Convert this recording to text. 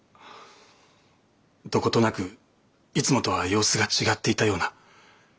どことなくいつもとは様子が違っていたような。